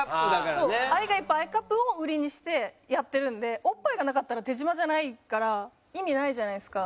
そう「愛がいっぱいＩカップ」を売りにしてやってるのでおっぱいがなかったら手島じゃないから意味ないじゃないですか。